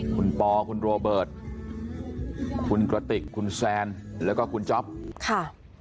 คุณปอคุณโรเบิร์ตคุณกระติกคุณแซนแล้วก็คุณจ๊อปค่ะ